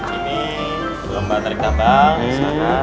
ini lomba tarik tambang